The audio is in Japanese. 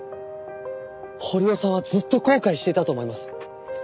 堀尾さんはずっと後悔していたと思います。